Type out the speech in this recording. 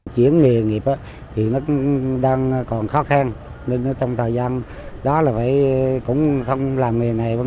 chuyển nghề nghiệp thì nó đang còn khó khăn nên trong thời gian đó là phải cũng không làm nghề này